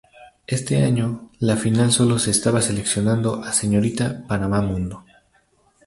Este año la final solo se estaba seleccionando a "Señorita Panamá Mundo".